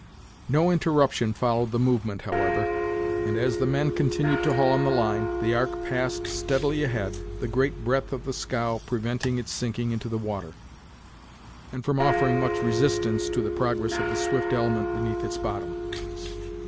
No interruption followed the movement, however, and, as the men continued to haul on the line, the ark passed steadily ahead, the great breadth of the scow preventing its sinking into the water, and from offering much resistance to the progress of the swift element beneath its bottom.